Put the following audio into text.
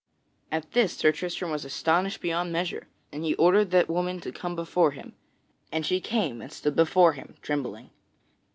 At this Sir Tristram was astonished beyond measure, and he ordered that woman to come before him, and she came and stood before him trembling.